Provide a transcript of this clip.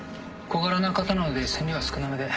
小柄な方なので線量は少なめで。